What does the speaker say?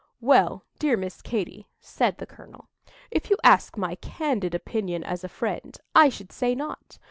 "Well dear Miss Katy," said the colonel, "if you ask my candid opinion as a friend, I should say not.